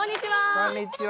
こんにちは。